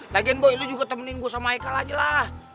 lagian boy juga temenin gue sama eka lagi lah